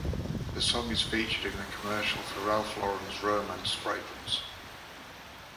The song is featured in a commercial for Ralph Lauren's Romance fragrance.